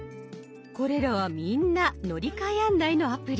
これらはみんな乗り換え案内のアプリ。